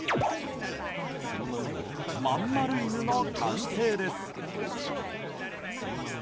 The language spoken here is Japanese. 真ん丸犬の完成です。